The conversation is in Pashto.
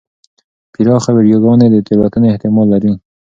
پراخه ویډیوګانې د تېروتنې احتمال لري.